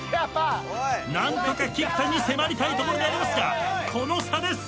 何とか菊田に迫りたいところでありますがこの差です。